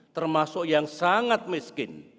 termasuk yang sangat miskin